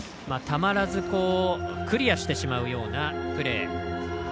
たまらずクリアしてしまうようなプレー。